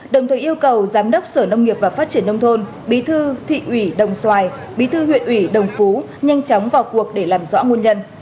đồng thời yêu cầu giám đốc sở nông nghiệp và phát triển nông thôn bí thư thị ủy đồng xoài bí thư huyện ủy đồng phú nhanh chóng vào cuộc để làm rõ nguồn nhân